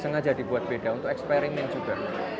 sengaja dibuat beda untuk eksperimen juga